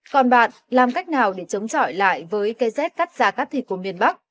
còn bạn làm cách nào để chống chọi lại với cây rét cắt ra cắt thịt của miền bắc